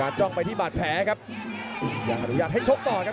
กระโดยสิ้งเล็กนี่ออกกันขาสันเหมือนกันครับ